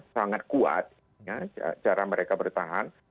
sangat kuat cara mereka bertahan